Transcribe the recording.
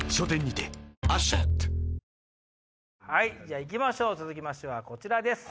行きましょう続きましてはこちらです。